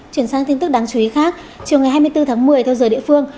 chuyển sang tin tức đáng chú ý khác chiều ngày hai mươi bốn tháng một mươi theo giờ địa phương